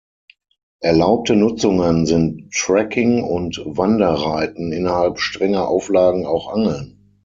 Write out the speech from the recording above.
Erlaubte Nutzungen sind Trekking und Wanderreiten, innerhalb strenger Auflagen auch Angeln.